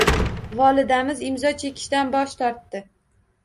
Volidamiz imzo chekishdan bosh tortdi.